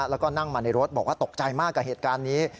แล้วก็นั่งมาในรถบอกว่าตกใจมากกับเหตุการณ์นี้